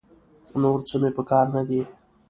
نور څه مې په کار نه دي.